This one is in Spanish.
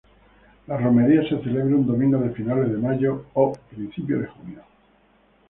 La romería se celebra un domingo de finales de mayo o principios de junio.